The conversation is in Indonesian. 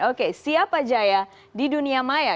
oke siapa jaya di dunia maya